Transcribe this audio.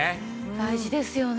大事ですよね。